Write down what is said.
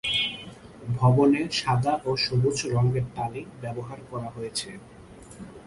ভবনে সাদা ও সবুজ রঙের টালি ব্যবহার করা হয়েছে।